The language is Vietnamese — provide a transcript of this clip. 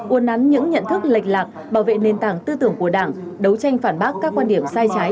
uốn nắn những nhận thức lệch lạc bảo vệ nền tảng tư tưởng của đảng đấu tranh phản bác các quan điểm sai trái